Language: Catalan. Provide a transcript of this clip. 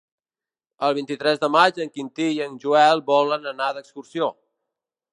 El vint-i-tres de maig en Quintí i en Joel volen anar d'excursió.